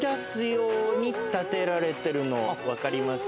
分かりますか？